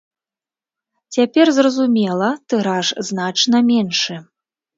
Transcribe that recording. Цяпер, зразумела, тыраж значна меншы.